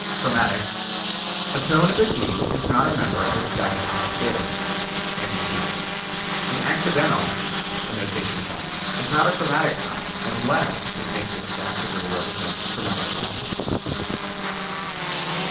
Chromatic: A tone of the key which is not a member of its diatonic scale. (N.B.) An accidental (a notation sign) is not a chromatic sign unless it makes a staff degree represent a chromatic tone.